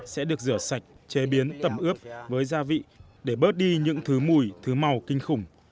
sẽ được rửa sạch chế biến tẩm ướp với gia vị để bớt đi những thứ mùi thứ màu kinh khủng